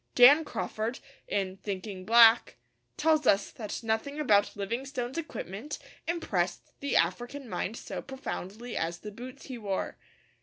Dan Crawford, in Thinking Black, tells us that nothing about Livingstone's equipment impressed the African mind so profoundly as the boots he wore.